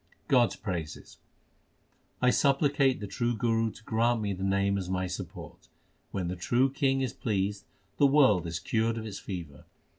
God s praises : 1 supplicate the true Guru to grant me the Name as my support. When the True King is pleased, the world is cured of its fever.